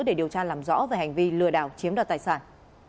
để điều tra làm rõ về hành vi lừa đảo chiếm đoạt tài sản